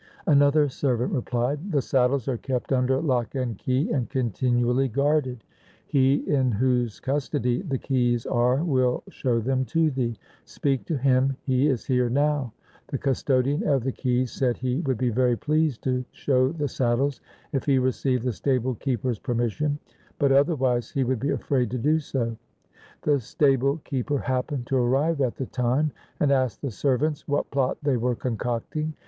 Another servant replied, ' The saddles are kept under lock and key and continually guarded. He in whose custody the keys are will show them to thee. Speak to him, he is here now.' The custodian of the keys said he would be very pleased to show the saddles, if he received the stable keeper's permission, but other wise he would be afraid to do so. The stable keeper happened to arrive at the time, and asked the ser vants what plot they were concocting.